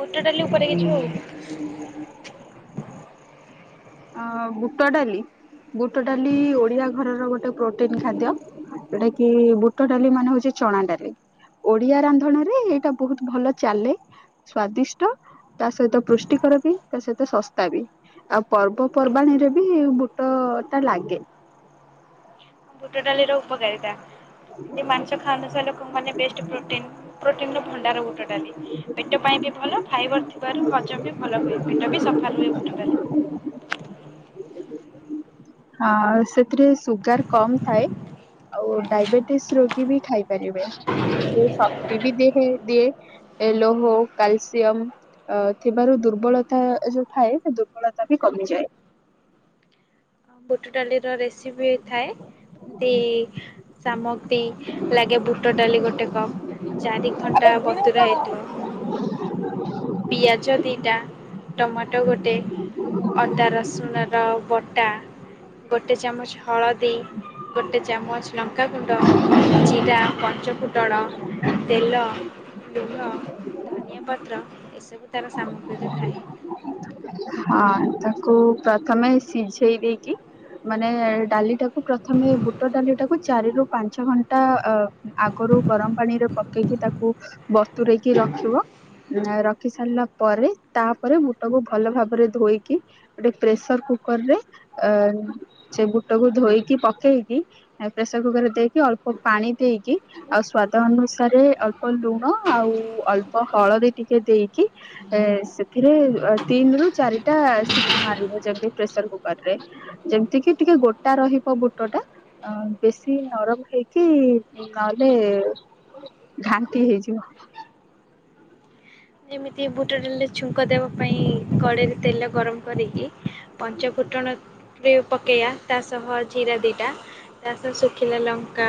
ବୁଟ ଡାଲି ଉପରେ କିଛି ହଉ [inaudible] ଅ ବୁଟ ଡାଲି ବୁଟ ଡାଲି ଓଡ଼ିଆ ଘରର ଗୋଟେ ପ୍ରୋଟିନ୍ ଖାଦ୍ୟ। ଯଉଟା କି ବୁଟ ଡାଲି ମାନେ ହଉଛି ଚଣା ଡାଲି। ଓଡ଼ିଆ ରାନ୍ଧଣା ରେ ଏଇଟା ବହୁତ ଭଲ ଚାଲେ। ସ୍ଵାଦିଷ୍ଟ ତା ସହିତ ପୃଷ୍ଟିକର ବି ତା ସହିତ ଶସ୍ତା ବି। ଆଉ ପର୍ବପର୍ବାଣୀରେ ବି ବୁଟ ତ ଲାଗେ। ବୁଟ ଡାଲିର ଉପକାରିତା ଯେ ମାଂସ ଖାଉ ନଥିବା ଲୋକମାନେ ବେଷ୍ଟ ପ୍ରୋଟିନ୍। ପ୍ରୋଟିନ୍ ର ଭଣ୍ଡାର ବୁଟ ଡାଲି ପେଟ ପାଇଁ ବି ଭଲ ଫାଇବର ଥିବାରୁ [unintelligible] ବି ଭଲ ହୁଏ ପେଟ ବି ସଫା ରୁହେ ବୁଟଡାଲି। ହଁ ସେଥିରେ ସୁଗାର କମ୍ ଥାଏ। ଆଉ ଡାଇବେଟିସ୍ ରୋଗୀ ବି ଖାଇପାରିବେ ବହୁତ୍ ଶକ୍ତି ବି ଦିଏ ସେ ଦିଏ। ଏ ଲୋହୋ କାଲସିୟମ୍। ଅ ଥିବାରୁ ଦୁର୍ବଳତା ଯୋଉ ଥାଏ ସେ ଦୁର୍ବଳତା ବି କମିଯାଏ। ବୁଟ ଡାଲିର ରେସିପି ଥାଏ। ଏତି ସାମଗ୍ରୀ ଲାଗେ ବୁଟ ଡାଲି ଗୋଟେ କପ୍। ଚାରି ଘଣ୍ଟା ବତୁରା ହେଇଥିବ ପିଆଜ ଦିଟା। ଟମାଟୋ ଗୋଟେ ଅଦା ରସୁଣର ବଟା। ଗୋଟେ ଚାମଚ ହଳଦୀ ଗୋଟେ ଚାମଚ ଲଙ୍କାଗୁଣ୍ଡ ଜିରା ପଞ୍ଚପୁଟଣ ତେଲ। ଲୁଣ ଧନିଆ ପତ୍ର ଏସବୁ ତାର ସାମଗ୍ରୀରେ ଥାଏ। ହଁ ତାକୁ ପ୍ରଥମେ ସିଝେଇ ଦେଇକି। ମାନେ ଡାଲିଟାକୁ ପ୍ରଥମେ ବୁଟ ଡାଲି ଟାକୁ ଚାରିରୁ ପାଞ୍ଚ ଘଣ୍ଟା ଅ ଆଗରୁ ଗରମ ପାଣିରେ ପକେଇକି ତାକୁ ବତୁରେଇକି ରଖିବ। [unintelligible] ରଖି ସାରିଲା ପରେ ତାପରେ ବୁଟକୁ ଭଲ ଭାବ ରେ ଧୋଇକି ଗୋଟେ ପ୍ରେସର୍ କୁକରରେ ଅ ସେ ବୁଟକୁ ଧୋଇକି ପକେଇକି ପ୍ରେସର୍ କୁକରରେ ଦେଇକି ଅଳ୍ପ ପାଣି ଦେଇକି ଆଉ ସ୍ଵାଦ ଅନୁସାରେ ଅଳ୍ପ ଲୁଣ ଆଉ ଅଳ୍ପ ହଳଦୀ ଟିକେ ଦେଇକି। ଏ ସେଥିରେ ତିନି ରୁ ଚାରିଟା ସିଟି ମାରିବ ଯେମିତି ପ୍ରେସର୍ କୁକରରେ ଯେମତି କି ଟିକେ ଗୋଟା ରହିବ ବୁଟ ଟା। ଅ ବେଶୀ ନରମ ହେଇକି ନହେଲେ ଘାଣ୍ଟି ହେଇଯିବ। ଯେମିତି ବୁଟ ଡାଲି ଛୁଙ୍କ ଦେବା ପାଇଁ କଡ଼େଇରେ ତେଲ ଗରମ କରିକି ପଞ୍ଚ ଫୁଟଣରେ ପକେଇଆ। ତା ସହ ଜିରା ଦିଇଟା ତାସହ ଶୁଖିଲା ଲଙ୍କା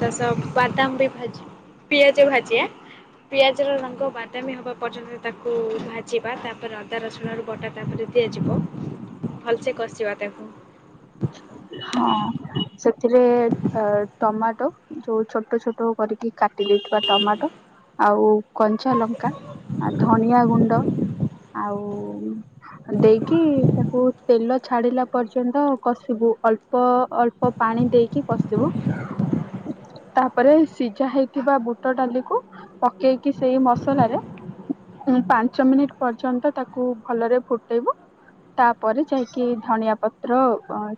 ତା ସହ ବାଦାମ ବି ଭାଜି ପିଆଜ ଭାଜିଆ ପିଆଜର ରଙ୍ଗ ବା ବାଦାମୀ ହବା ପର୍ଯ୍ୟନ୍ତ ତାକୁ ଭାଜିବା ତାପରେ ଅଦା ରସୁଣ ର ବଟା ତାପରେ ଦିଆଯିବ। ଭଲସେ କସିବା ତାକୁ ହଁ ସେଥିରେ ଟ ଟମାଟୋ ଯୋଉ ଛୋଟ ଛୋଟ କରିକି କାଟି ଦେଇଥିବା ଟମାଟୋ। ଆଉ କଞ୍ଚା ଲଙ୍କା ଆ ଧନିଆ ଗୁଣ୍ଡ ଆଉ ଦେଇକି ତାକୁ ତେଲ ଛାଡିଲା ପର୍ଯ୍ୟନ୍ତ କଷିବୁ ଅଳ୍ପ ଅଳ୍ପ ପାଣି ଦେଇକି କଷିବୁ। ତାପରେ ସିଝା ହେଇଥିବା ବୁଟ ଡାଲିକୁ ପକେଇକି ସେଇ ମସଲାରେ ପାଞ୍ଚ ମିନିଟ ପର୍ଯ୍ୟନ୍ତ ତାକୁ ଭଲରେ ଫୁଟେଇବୁ। ତାପରେ ଯାଇକି ଧଣିଆ ପତ୍ର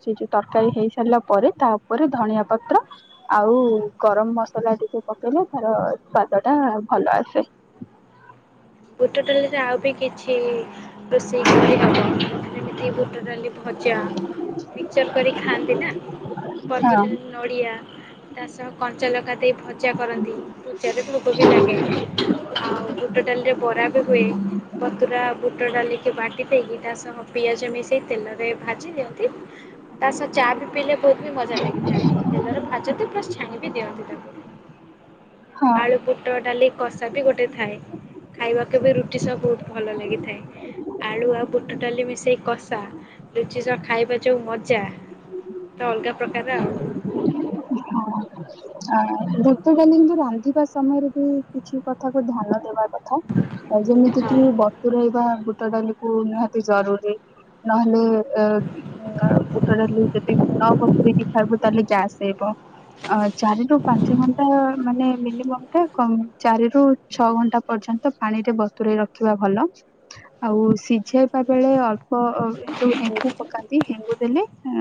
ଚି ଯୋଉ ତରକାରୀ ହେଇ ସାରିଲା ପରେ ତା ଉପରେ ଧଣିଆ ପତ୍ର ଆଉ ଗରମ ମସଲା ଟିକେ ପକେଇଲେ ତାର ସ୍ଵାଦ ଟା ଭଲ ଆସେ। ବୁଟଟଲିରେ ଆଉ ବି କିଛି ରୋଷେଇ [inaudible] ଯେମିତି ବୁଟ ଡାଲି ଭଜା ମିକ୍ଚର କରି ଖାଆନ୍ତି ନା ହଁ। ପର୍ବତି ନଡ଼ିଆ ତା ସହ କଞ୍ଚା ଲଖା ଦେଇ ଭଜା କରନ୍ତି। [unintelligible] ଭୋକ ବି ଲାଗେ ଆଉ ବୁଟ ଡାଲିରେ ବରା ବି ହୁଏ। ବତୁରା ବୁଟ ଡାଲିକି ବାଟି ଦେଇକି ତା ସହ ପିଆଜ ମିଶେଇ ତେଲରେ ଭାଜି ଦିଅନ୍ତି ତା ସ ଚା ବି ପିଇଲେ ବହୁତ ବି ମଜା ଲାଗିଥାଏ ତେଲରେ ଭାଜନ୍ତି ପ୍ଲସ୍ ଛାଣି ବି ଦିଅନ୍ତି ତାକୁ। ହଁ ଆଳୁ ବୁଟ ଡାଲି କଷା ବି ଗୋଟେ ଥାଏ। ଖାଇବାକୁ ବି ରୁଟି ସହ ବହୁତ ଭଲ ଲାଗିଥାଏ। ଆଳୁ ଆଉ ବୁଟ ଡାଲି ମିଶେଇ କଷା ଲୁଚି ସ ଖାଇବା ଯୋଉ ମଜା। ତ ଅଲଗା ପ୍ରକାର ଆଉ। ହ। ହଁ ଭୂତ ଡାଲିଙ୍କୁୁ ରାନ୍ଧିବା ସମୟରେ ବି କିଛି କଥାକୁ ଧ୍ୟାନ ଦେବା କଥା ଆଉ ଯେମିତି ହଁ। କି ବତୁରେଇବା ବୁଟ ଡାଲି କୁ ନିହାତି ଜରୁରୀ ନହେଲେ ଅ ବୁଟ ଡ଼ାଲି ଯଦି ନ ବ ତୁରେଇକି ଖାଇବୁ ତାହେଲେ ଗ୍ୟାସ୍ ହେବ। ଅ ଚାରି ରୁ ପାଞ୍ଚ ଘଣ୍ଟା ମାନେ ମିନିମମ୍ ଟା କ ଚାରି ରୁ ଛଅ ଘଣ୍ଟା ପର୍ଯ୍ୟନ୍ତ ପାଣି ରେ ବତୁରଇ ରଖିବା ଭଲ। ଆଉ ସିଝେଇବା ବେଳେ ଅଳ୍ପ ଯୋଉ ହେଙ୍ଗୁ ପକାନ୍ତି ହେଙ୍ଗୁ ଦେଲେ ଅ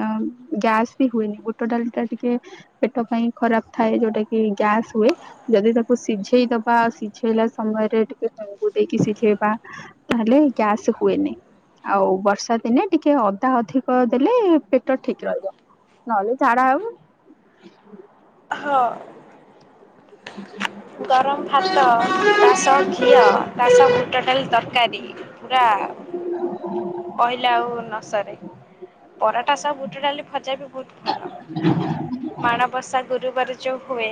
ଗ୍ୟାସ୍ ବି ହୁଏନି ବୁଟ ଡାଲି ଟା ଟିକେ ପେଟ ପାଇଁ ଖରାପ ଥାଏ ଯୋଉଟା କି ଗ୍ୟାସ୍ ହୁଏ। ଯଦି ତାକୁ ସିଝେଇଦବା ସିଝେଇଲା ସମୟରେ ଟିକେ ହେଙ୍ଗୁ ଦେଇକି ସିଝେଇବା ତାହେଲେ ଗ୍ୟାସ ହୁଏନି। ଆଉ ବର୍ଷା ଦିନେ ଟିକେ ଅଦା ଅଧିକ ଦେଲେ ପେଟ ଠିକ ରହିବ। ନହେଲେ ଝାଡା ହବ। ହ। ଗରମ ଭାତ ତା ସହ ଘିଅ ତା ସ ବୁଟ ଡ଼ାଲ୍ ତରକାରୀ ପୁରା କହିଲେ ଆଉ ନସରେ ପରଟା ସହ ବୁଟ ଡାଲି ଭଜା ବି ବହୁତ ଭଲ। ହ [inaudible] ମାଣବସା ଗୁରୁବାର ଯୋଉ ହୁଏ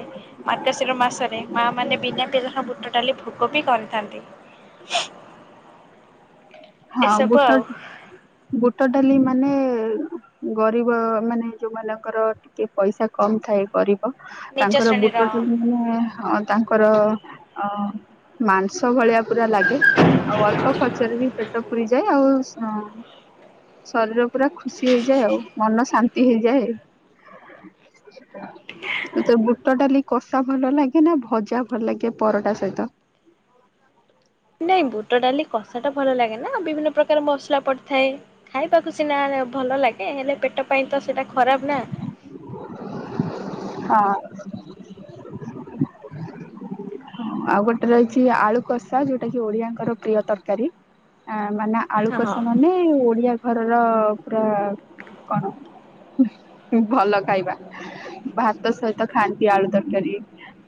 ମାର୍ଗଶିର ମାସରେ ମା ମାନେ ବିନା ପିଆଜ ରସୁଣ ବୁଟ ଡାଲି ଭୋଗ ବି କରିଥାନ୍ତି। ହଁ ଏସବୁ ବୁଟ ଆଉ ବୁଟ ଡାଲି ମାନେ ଗରିବ ମାନେ ଯୋଉମାନଙ୍କର ଟିକେ ପଇସା କମ ଥାଏ ଗରିବ ନିଚ ତାଙ୍କର ବୁଟ ଶ୍ରେଣୀର ଟା ଅଁ ତାଙ୍କର ଅ ମାଂସ ଭଳିଆ ପୁରା ଲାଗେ ଆଉ ଅଳ୍ପ ଖର୍ଚ୍ଚରେ ବି ପେଟ ପୁରି ଯାଏ ଆଉ ଶରୀର ପୁରା ଖୁସି ହେଇଯାଏ ଆଉ ମନ ଶାନ୍ତି ହେଇଯାଏ। [inaudible] ତତେ ବୁଟ ଡାଲି କଷା ଭଲ ଲାଗେ ନା ଭଜା ଭଲ ଲାଗେ ପରଟା ସହିତ ନାଇଁ ବୁଟ ଡାଲି କଷା ଟା ଭଲ ଲାଗେ ନା ବିଭିନ୍ନ ପ୍ରକାର ମସଲା ପଡିଥାଏ ଖାଇବାକୁ ସିନା ଭଲ ଲାଗେ ହେଲେ ପେ ଟ ପାଇଁ ତ ସେଇଟା ଖରାପ ନା। ହଁ। ଆଉ ଗୋଟେରେ ଅଛି ଆଳୁ କଷା ଯୋଉଟା କି ଓଡିଆଙ୍କର ପ୍ରିୟ ତରକାରୀ। ଆଁ ମାନେ ହଁ ଆଳୁକଷା ମାନେ ଓଡିଆ ଘରର ପୁରା କଣ ଭଲ ଖାଇବା। ଭାତ ସହିତ ଖାଆନ୍ତି ଆଳୁ ତରକାରୀ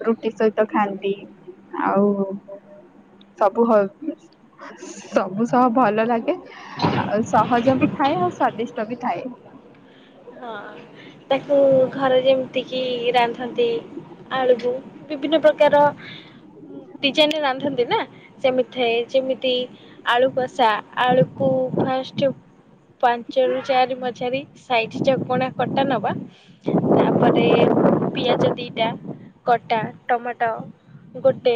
ରୁଟି ସହିତ ଖାଆନ୍ତି ଆଉ ସବୁ ହ ସବୁ ସହ ଭଲ ଲାଗେ ଆଉ ସହଜ ବି ଥାଏ ଆଉ ସ୍ଵାଦିଷ୍ଟ ବି ଥାଏ। ହଁ ତାକୁ ଘରେ ଯେ ମିତି କି ରାନ୍ଧନ୍ତି ଆଳୁକୁ ବିଭିନ୍ନ ପ୍ରକାର ଡିଜାଇନ ରେ ରାନ୍ଧନ୍ତି ନା ସେମିତି ଥାଏ ଯେମିତି ଆଳୁ କଷା ଆଳୁକୁ ଫାଷ୍ଟ ପାଞ୍ଚରୁୁ ଚାରି ମଝାରି ସାଇଟ୍ ଚକଣା କଟା ନ? ତାପରେ ପିଆଜ ଦିଟା କଟା ଟମାଟ ଗୋଟେ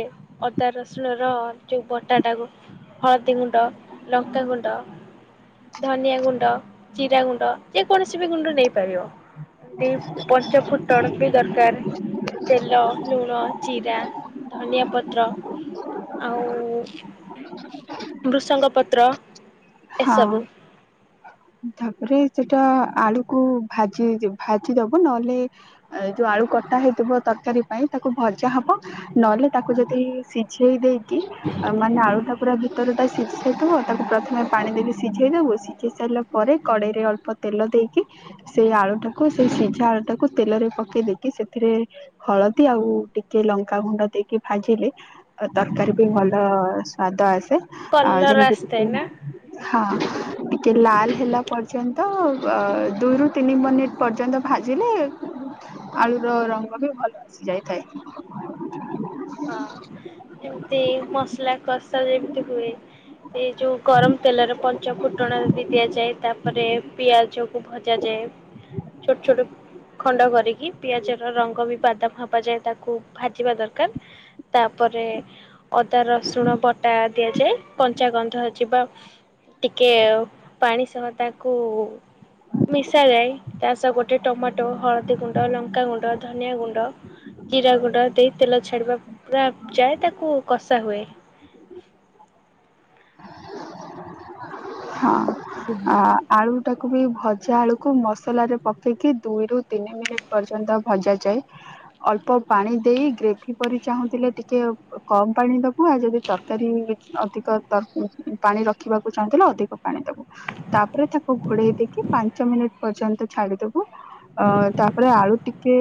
ଅଦା ରସୁଣ ର ଯୋଉ ବଟାଟାକୁ। ହଳଦୀ ଗୁଣ୍ଡ ଲଙ୍କା ଗୁଣ୍ଡ। ଧନିଆ ଗୁଣ୍ଡ ଜିରା ଗୁଣ୍ଡ ଯେକୌଣସି ବି ଗୁଣ୍ଡ ନେଇପାରିବ। ଏମିତି ପଞ୍ଚ ଫୁଟଣ ବି ଦରକାର। ତେଲ ଲୁଣ ଜିରା ଧନିଆ ପତ୍ର ଆଉ ଭୃଷଙ୍ଗ ପତ୍ର ହଁ। ଏସବୁ‌। ତାପରେ ସେଟା ଆଳୁକୁ ଭାଜି ଭାଜି ଦବ ନହେଲେ ଯୋଉ ଆଳୁ କଟା ହେଇଥିବ ତରକାରୀ ପାଇଁ ତାକୁ ଭଜା ହବ ନହେଲେ ତାକୁ ଯଦି ସିଝେଇ ଦେଇକି ମାନେ ଆଳୁଟା ପୁରା ବି ଭିତରଟା ସିଝାଇଦବ ତାକୁ ପ୍ରଥମେ ପାଣି ଦେଇକି ସିଝେଇ ଦେବୁ ସିଝେଇ ସାରିଲା ପ ପରେ କଡେଇ ରେ ଅଳ୍ପ ତେଲ ଦେଇକି ସେଇ ଆଳୁ ଟାକୁ ସେଇ ସିଝା ଆଳୁ ଟାକୁ ତେଲରେ ପକେଇ ଦେଇକି ସେଥିରେ ହଳଦୀ ଆଉ ଟିକେ ଲଙ୍କା ଗୁଣ୍ଡ ଦେଇକି ଭାଜିଲେ ତରକାରୀ ବି ଭଲ ସ୍ଵାଦ ଆସେ ଆଉ କଲର ଯେମିତି କି ଆସିଥାଏ ନା ହଁ ଟିକେ ଲାଲ ହେଲା ପର୍ଯ୍ୟନ୍ତ ଦୁଇରୁ ତିନି ମିନିଟ୍ ପର୍ଯ୍ୟନ୍ତ ଭାଜିଲେ ଆଳୁର ରଙ୍ଗ ବି ଭଲ ଆସି ଯାଇଥାଏ। ହଁ ଏମିତି ମସଲା କଷା ଯେମିତି ହୁଏ। ଏଇ ଯୋଉ ଗରମ ତେଲରେ ପଞ୍ଚ ଫୁଟଣ ରେ ବି ଦିଆଯାଏ ତାପରେ ପିଆଜ ଭଜା ଯାଏ ଛୋଟ ଛୋଟ ଖଣ୍ଡ କରିକି ପିଆଜ ର ରଙ୍ଗ ବି ବାଦାମ ହବା ଯାଏ ତାକୁ ଭାଜିବା ଦରକାର। ତାପରେ ଅଦା ରସୁଣ ବଟା ଦିଆଯାଏ କଞ୍ଚାଗନ୍ଧ ଯିବା ଟିକିଏ ପାଣି ସହ ତାକୁ ମିଶାଯାଏ ତା ସହ ଗୋଟେ ଟମାଟୋ ହଳଦୀ ଗୁଣ୍ଡ ଲଙ୍କାଗୁଣ୍ଡ ଧନିଆ ଗୁଣ୍ଡ ଜିରା ଗୁଣ୍ଡ ଦେଇ ତେଲ ଛାଡ଼ିବା ପୁରା ଯାଏ ତାକୁ କଷା ହୁଏ। ହଁ ଆ ଆଳୁ ଟାକୁ ବି ଭଜା ଆଳୁକୁ ମସଲାରେ ପକେଇକି ଦୁଇରୁୁ ତିନି ମିନିଟ୍ ପର୍ଯ୍ୟନ୍ତ ଭଜାଯାଏ। ଅଳ୍ପ ପାଣି ଦେଇ ଗ୍ରେଭି କରି ଚାହୁଁଥିଲେ ଟିକେ କମ ପାଣି ଦବୁ ଆଉ ଯଦି ତରକାରୀ ଅଧିକ ପାଣି ରଖିବାକୁ ଚାହୁଁଥିଲେ ଅଧିକ ପାଣି ଦବୁ। ତାପରେ ତାକୁ ଘୋଡେଇ ଦେଇକି ପାଞ୍ଚ ମିନିଟ ପର୍ଯ୍ୟନ୍ତ ଛାଡିଦବୁ। ଅ ତାପରେ ଆଳୁ ଟିକେ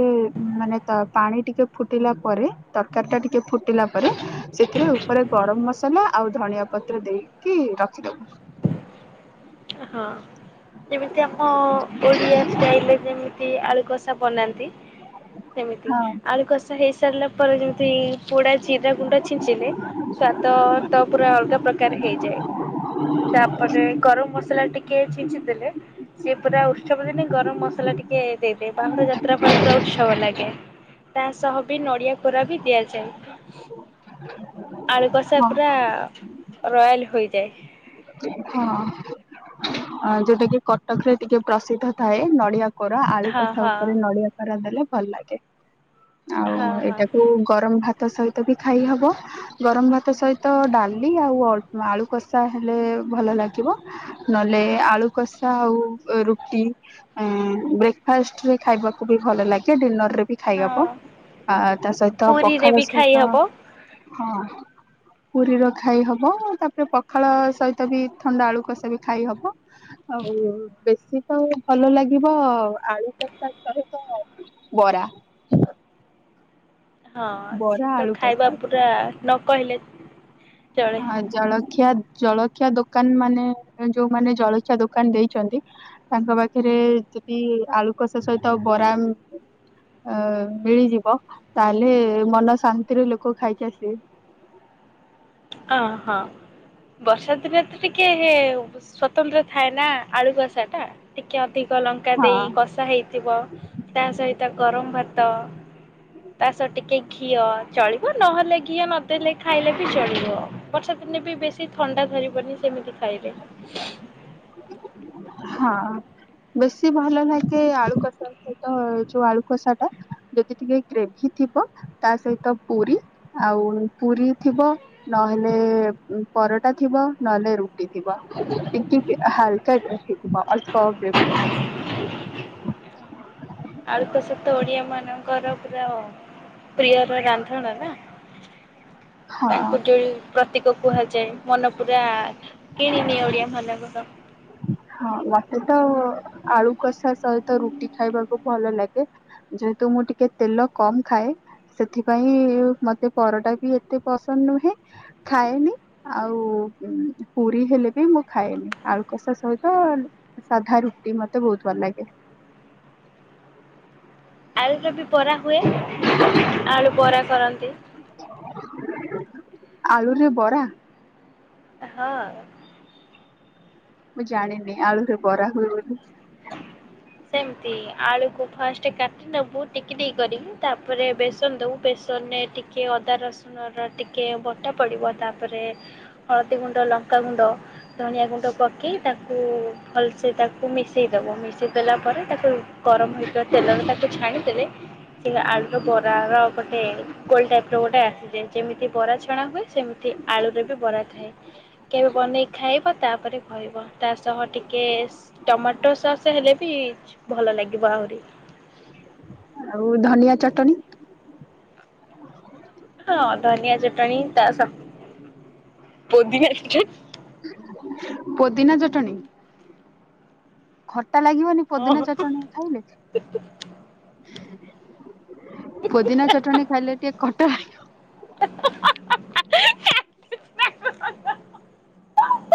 ମାନେ ତା ପାଣି ଟିକେ ଫୁଟିଲା ପରେ ତରକାରୀ ଟା ଟିକେ ଫୁଟିଲା ପରେ ସେଥିରେ ଉପରେ ଗରମ ମସଲା ଆଉ ଧଣିଆ ପତ୍ର ଦେଇକି ରଖିଦବୁ। ହଁ ଯେମିତି ଆମ ଓଡିଆ ଷ୍ଟାଇଲରେ ଯେମିତି ଆଳୁ କଷା ବନାନ୍ତି। ସେମିତି ହଁ ଆଳୁ କଷା ହେଇସାରିଲା ପରେ ଯେମିତି ପୋଡା ଜିରା ଗୁଣ୍ଡ ଛିଞ୍ଚିଲେ ସ୍ୱାଦ ତ ପୁରା ଅଲଗା ପ୍ରକାର ହେଇଯାଏ। ତାପରେ ଗରମ ମସଲା ଟିକେ ଛିଞ୍ଚି ଦେଲେ ସିଏ ପୁରା ଉତ୍ସବ ଦିନେ ଗରମ ମସଲା ଟିକେ ଦେଇଦେ ବାହୁଡା ଯାତ୍ରା ପାଇଁ ପୁରା ଉତ୍ସବ ଲାଗେ। ତା ସହ ବି ନଡିଆ କୋରା ବି ଦିଆଯାଏ। ଆଳୁ କଷା ପୁରା ରୟାଲ ହୋଇଯାଏ। ହଁ ଯୋଉଟାକି କଟକ ରେ ଟିକେ ପ୍ରସିଦ୍ଧ ଥାଏ ନଡିଆ କରା ଆଳୁ ହଁ କଷା ହଁ ଉପରେ ନଡିଆ କରା ଦେଲେ ଭଲ ଲାଗେ। ଆଉ ହଁ ହଁ ଏଇଟାକୁ ଗରମ ଭାତ ସହିତ ବି ଖାଇ ହବ। ଗରମ ଭାତ ସହିତ ଡାଲି ଆଉ ଅଳ ଆଳୁ କଷା ହେଲେ ଭଲ ଲାଗିବ। ନହେଲେ ଆଳୁ କଷା ଆଉ ରୁଟି ବ୍ରେକ ଫାଷ୍ଟରେ ଖାଇବାକୁ ବି ଭଲ ଲାଗେ ଡିନର ରେ ବି ଖାଇ ହବ। ହଁ ଆ ତା ସହିତ ପୁରୀରେ ପଖାଳ ବି ଖାଇ ସହିତ ହବ। ହଁ ପୁରୀର ଖାଇ ହବ ତାପରେ ପଖାଳ ସହିତ ବି ଥଣ୍ଡା ଆଳୁ କଷା ବି ଖାଇ ହବ। ଆଉ ବେଶୀ ତ ଭଲ ଲାଗିବ ଆଳୁଷ ସହିତ ବରା ହଁ ସେ ବରା ତ ଆଳୁ ଖାଇବା କଷା ପୁରା ନ କହିଲେ ଚଳେ ହଁ ଜଳଖିଆ ଜଳଖିଆ ଦୋକାନ ମାନେ ଯୋଉମାନେ ଜଳଖିଆ ଦୋକାନ ଦେଇଛନ୍ତି। ତାଙ୍କ ପାଖରେ ଯଦି ଆଳୁ କଷା ସହିତ ଆ ବରା ଅ ମିଳିଯିବ ତାହେଲେ ମନ ଶାନ୍ତିରେ ଲୋକ ଖାଇକି ଆସିବେ। ଅ ହଁ ବର୍ଷା ଦିନେ ତ ଟିକେ ସ୍ଵତନ୍ତ୍ର ଥାଏ ନା ଆଳୁ କସା ଟା ଟିକେ ଅଧିକ ଲଙ୍କା ହଁ ଦେଇ କଷା ହେଇଥିବ ତା ସହିତ ଗରମ ଭାତ। ତା ସତ ଟିକେ ଘିଅ ଚଳିବ ନହେଲେ ଘିଅ ନଦେଲେ ଖାଇଲେ ବି ଚଳିବ। ବର୍ଷା ଦିନେ ବି ବେଶୀ ଥଣ୍ଡା ଧରିବନି ସେମିତି ଖାଇଲେ। ହଁ ବେଶୀ ଭଲ ଲାଗେ ଆଳୁ କଷା। ସହିତ ଯୋଉ ଆଳୁ କଷା ଟା ଯଦି ଟିକେ ଗ୍ରେଭି ଥିବ ତା ସହିତ ପୁରୀ ଆଉ ପୁରୀ ଥିବ। ନହେଲେ ପରଟା ଥିବ ନହେଲେ ରୁଟି ଥିବ ଟି ହାଲକା [unintelligible] ଆଳୁ କଷା ତ ଓଡିଆ ମାନଙ୍କର ପୁରା ପ୍ରିୟର ଗାନ୍ଥଣ ନା। ହଁ। ତାଙ୍କୁ ଯୋଉ ପ୍ରତୀକ କୁହାଯାଏ ମନ ପୁରା କିଣିନି ଓଡିଆ ଭାନ କର। ହଁ ମତେ ତ ଆଳୁକଷା ସହିତ ରୁଟି ଖାଇବାକୁ ଭଲଲାଗେ। ଯେହେତୁ ମୁଁ ଟିକେ ତେଲ କମ୍ ଖାଏ। ସେଥିପାଇଁ ମତେ ପରଟା ବି ଏତେ ପସନ୍ଦ ନୁହେଁ। ଖାଏନି ଆଉ ପୁରୀ ହେଲେ ବି ମୁଁ ଖାଏନି ଆଳୁକଷା ସହି ତ ସାଧା ରୁଟି ମତେ ବହୁତ ଭଲଲାଗେ। ଆଳୁୁର ବି ବରା ହୁଏ ଆଳୁବରା କରନ୍ତି। ଆଳୁରେ ବରା। ହଁ। ମୁଁ ଜାଣିନି ଆଳୁରେ ବରା ହୁଏବୋଲି। ସେମତି ଆଳୁକୁ ଫାଷ୍ଟେ କାଟିନେବୁ ଟିକିଟିକି କରିକି ତାପରେ ବେସନ ଦେବୁ ବେସନରେ ଟି କିଏ ଅଦା ରସୁଣର ଟିକେ ବଟା ପଡ଼ିବ ତାପରେ। ହଳଦୀଗୁଣ୍ଡ ଲଙ୍କାଗୁଣ୍ଡ। ଧନିଆ ଗୁଣ୍ଡ ପକେଇ ତାକୁ ଭଲସେ ତାକୁ ମିଶେଇଦବ ମିଶେ ଦେଲା ପରେ ତାକୁ ଗରମ ହୋଇଥିବା ତେଲରେ ତାକୁ ଛାଣିଦେଲେ ସେ ଆଳୁର ବ ରାର ଗୋଟେ। ଗୋଲ ଟାଇପ ର ଗୋଟେ ଆସିଯାଏ ଯେମିତି ବରା ଛଣା ହୁଏ ସେମିତି ଆଳୁରେ ବି ବରା ଥାଏ। କେବେ ବନେଇକି ଖାଇବ ତାପରେ କହିବ। ତାସହ ଟିକେ ଟମାଟୋ ସସ୍ ହେଲେ ବି ଭଲ ଲାଗିବ ଆହୁରି। ଆଉ ଧନିଆ ଚଟଣି। ହଁ ଧନିଆ ଚଟଣି ତା ସ ପୋଦିନା ଚଟ୍ ପୋଦିନା ଚଟଣୀ। ଖଟା ଲାଗିବନି ପୋଦିନା ହଁ। ଚଟଣି ଖାଇଲେ? ପୋଦିନା ଚଟଣି ଖାଇଲେ ଟିକେ ଖଟା। [unintelligible]